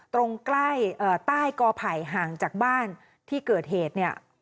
ตรงใกล้ใต้กอไผ่ห่างจากบ้านที่เกิดเหตุเนี่ย